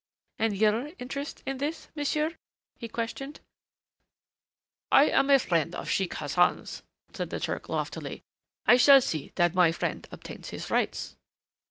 "And your interest in this, monsieur?" he questioned. "I am a friend of Sheik Hassan's," said the Turk loftily. "I shall see that my friend obtains his rights."